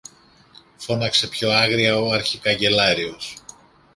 φώναξε πιο άγρια ο αρχικαγκελάριος.